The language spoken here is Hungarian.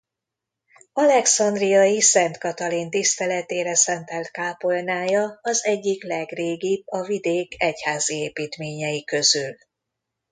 Alexandriai Szent Katalin tiszteletére szentelt kápolnája az egyik legrégibb a vidék egyházi építményei közül.